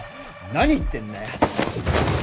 何言ってんだよ